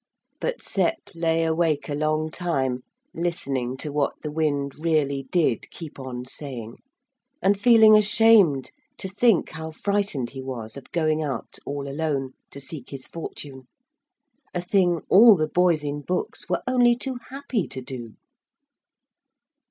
But Sep lay awake a long time listening to what the wind really did keep on saying, and feeling ashamed to think how frightened he was of going out all alone to seek his fortune a thing all the boys in books were only too happy to do.